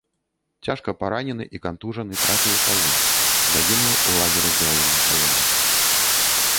Цяжка паранены і кантужаны трапіў у палон, загінуў у лагеры для ваеннапалонных.